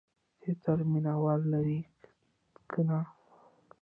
تیاتر مینه وال لري که نه؟